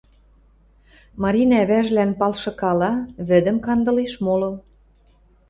Маринӓ ӓвӓжӹлӓн палшыкала, вӹдӹм кандылеш моло.